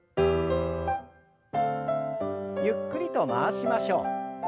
ゆっくりと回しましょう。